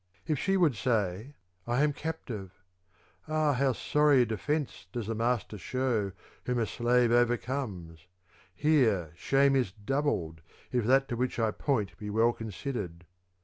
If she would say :' I am captive,' ah how sorry a defence does the master show whom a slave over comes ! Here shame is doubled if that to which I point be well considered.